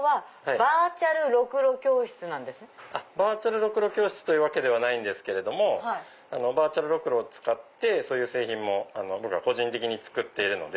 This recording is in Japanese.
バーチャルろくろ教室というわけではないんですけどバーチャルろくろを使って僕が個人的に作っているので。